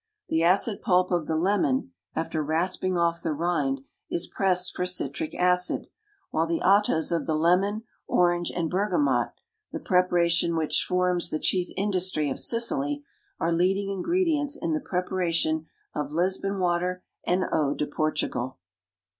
The acid pulp of the Lemon, after rasping off the rind, is pressed for citric acid, while the ottos of the Lemon, orange and bergamot, the preparation of which forms the chief industry of Sicily, are leading ingredients in the preparation of "Lisbon Water" and "Eau de Portugal."